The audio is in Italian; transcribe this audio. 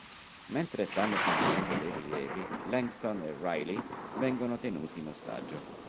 Mentre stanno compiendo dei rilievi, Langston e Riley vengono tenuti in ostaggio.